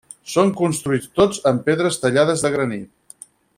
Són construïts tots amb pedres tallades de granit.